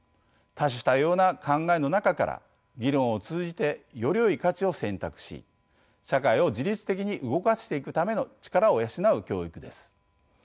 多種多様な考えの中から議論を通じてよりよい価値を選択し社会を自律的に動かしていくための力を養う教育です。